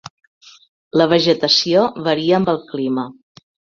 La vegetació varia amb el clima.